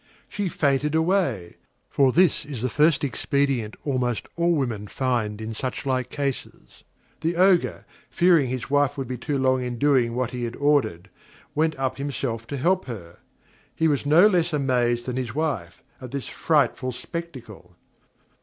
She fainted away; for this is the first expedient almost all women find in such like cases. The Ogre, fearing his wife would be too long in doing what he had ordered, went up himself to help her. He was no less amazed than his wife, at this frightful spectacle.